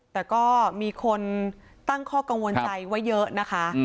แต่ก็มีคนตั้งข้อกังวลใจว่าเยอะนะคะ